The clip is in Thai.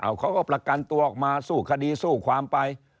เขาก็ประกันตัวออกมาสู้คดีสู้ความไป